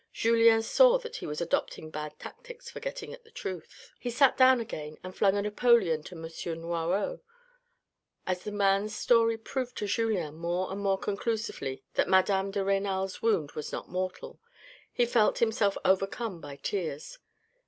Julien saw that he was adopting bad tactics for getting at the truth. He sat down again and flung a napoleon to M. Noiraud. As the man's story proved to Julien more and more conclusively that madame de Renal's wound was not mortal, he felt himself overcome by tears.